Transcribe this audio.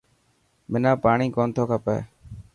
منا پاڻي ڪونٿو کپي.